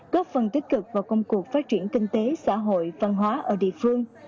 góp phần tích cực vào công cuộc phát triển kinh tế xã hội văn hóa ở địa phương